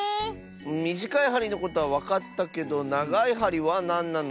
みじかいはりのことはわかったけどながいはりはなんなの？